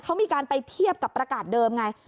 เขามีการไปเทียบกับประกาศเดิมไง